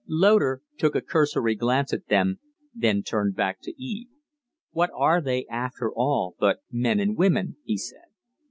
Loder took a cursory glance at them, then turned back to Eve. "What are they, after all, but men and women?" he said.